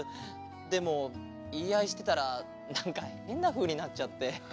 でもいいあいしてたらなんかへんなふうになっちゃって。